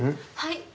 はい。